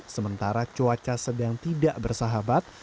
sementara cuaca sedang tidak bersahabat